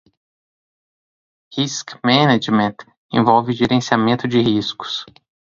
Risk Management envolve gerenciamento de riscos.